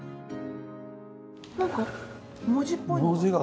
なんか文字っぽいものが。